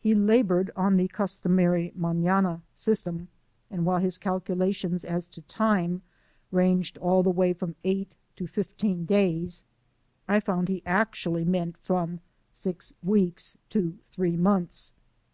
He labored on the customar}' manana system, and while his calculations as to time ranged all the way from eight to fifteen days, I found he actually meant from six weeks to three months.